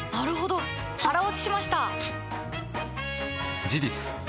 腹落ちしました！